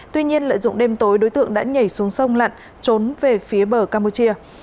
tuy nhiên lợi dụng đêm tối đối tượng đã nhảy xuống sông lặn trốn về phía bờ campuchia